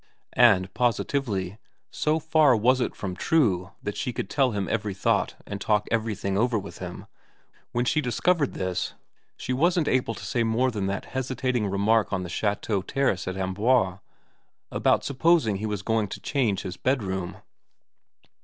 And positively, so far was it from true that she could tell him every thought and talk everything over with him, when she discovered this she wasn't able to say more than that hesitating remark on the chateau terrace at Amboise about supposing he was going to change his bedroom.